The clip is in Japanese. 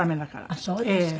あっそうですか。